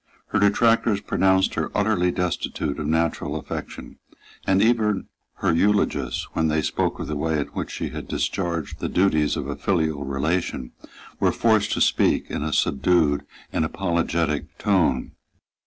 Her detractors pronounced her utterly destitute of natural affection; and even her eulogists, when they spoke of the way in which she had discharged the duties of the filial relation, were forced to speak in a subdued and apologetic tone.